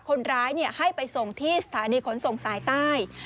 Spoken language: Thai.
คนร้ายให้ไปส่งที่สถานีขนส่งสายใต้